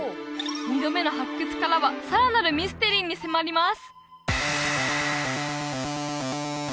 ２度目の発掘からはさらなるミステリーに迫ります！